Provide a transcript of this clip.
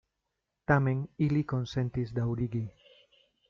Tamen li konsentis daŭrigi.